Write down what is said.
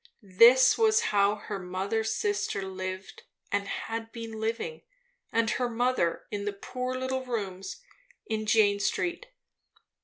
This was how her mother's sister lived and had been living; and her mother in the poor little rooms in Jane Street.